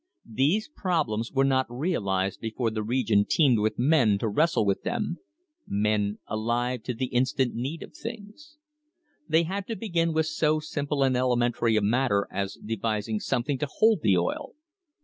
These problems were not realised before the region teemed with men to wrestle with them — men "alive to the instant need of things." They had to begin with so simple and elementary a matter as devising something to hold the oil.